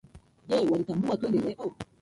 Je, walituambia twende leo?